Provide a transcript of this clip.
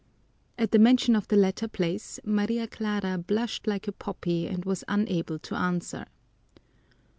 At the mention of the latter place Maria Clara blushed like a poppy and was unable to answer.